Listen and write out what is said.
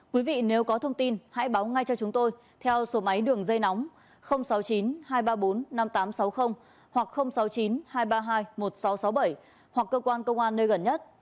quý vị nếu có thông tin hãy báo ngay cho chúng tôi theo số máy đường dây nóng sáu mươi chín hai trăm ba mươi bốn năm nghìn tám trăm sáu mươi hoặc sáu mươi chín hai trăm ba mươi hai một nghìn sáu trăm sáu mươi bảy hoặc cơ quan công an nơi gần nhất